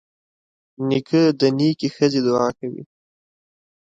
نیکه د نیکې ښځې دعا کوي.